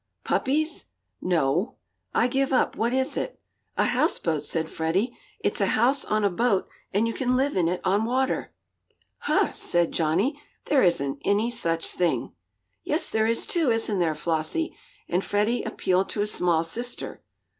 "Puppies?" "No." "I give up what is it?" "A houseboat," said Freddie. "It's a house on a boat, and you can live in it on water." "Huh!" said Johnnie. "There isn't any such thing." "Yes, there is, too, isn't there, Flossie?" and Freddie appealed to his small sister.